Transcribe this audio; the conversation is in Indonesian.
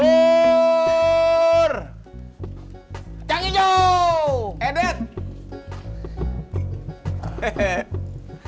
kang ijo edet hehehe tunggu lu udah ngider iya gua mau nyoba ngider siang hasilnya ada bedanya kagak ya